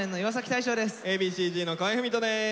Ａ．Ｂ．Ｃ−Ｚの河合郁人です。